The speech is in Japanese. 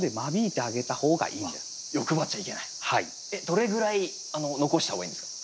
どれぐらい残した方がいいんですか？